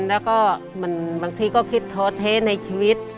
แล้วก็บางทีก็คิดท้อเทในชีวิต